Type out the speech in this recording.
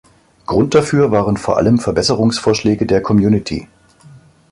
Grund dafür waren vor allem Verbesserungsvorschläge der Community.